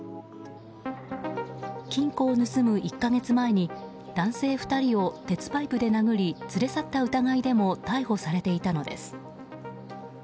金庫を盗む１か月前に男性２人を鉄パイプで殴り連れ去った疑いでも逮捕されていたのです。